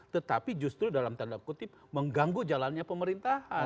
tetapi justru dalam tanda kutip mengganggu jalannya pemerintahan